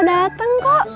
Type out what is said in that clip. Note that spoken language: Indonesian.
kita pasti bakal datang kok